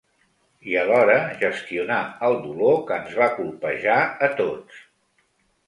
I alhora gestionar el dolor que ens va colpejar a tots.